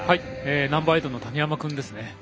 ナンバーエイトの谷山君ですね。